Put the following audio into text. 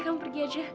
kamu pergi aja